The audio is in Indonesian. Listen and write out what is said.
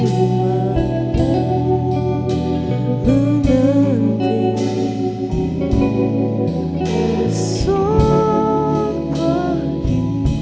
dimana menanti besok pagi